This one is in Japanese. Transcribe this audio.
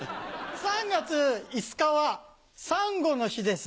３月５日はサンゴの日です。